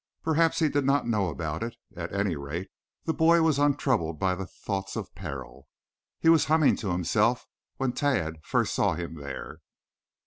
Perhaps he did not know about it; at any rate, the boy was untroubled by thoughts of peril. He was humming to himself when Tad first saw him there.